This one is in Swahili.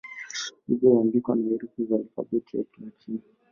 Lugha huandikwa na herufi za Alfabeti ya Kilatini.